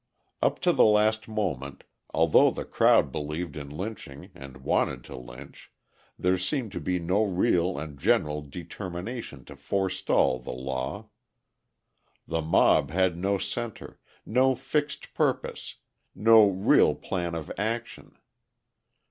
Up to the last moment, although the crowd believed in lynching and wanted to lynch, there seemed to be no real and general determination to forestall the law. The mob had no centre, no fixed purpose, no real plan of action.